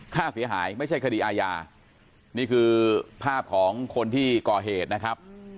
ค่าเสียหายไม่ใช่คดีอาญานี่คือภาพของคนที่ก่อเหตุนะครับ